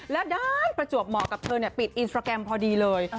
แล้วด้านประจวบเหมาะกับเธอปิดอินสตราแกรมพอดีเลย